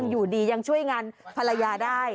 อยู่ดียังช่วยงานภรรยาได้